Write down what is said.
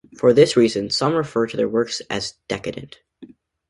For this reason, some referred to their works as "decadent".